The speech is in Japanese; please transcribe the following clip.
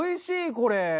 これ。